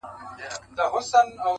پېړۍ واوښتې قرنونه دي تېریږي؛